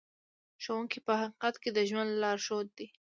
ښوونکی په حقیقت کې د ژوند لارښود دی.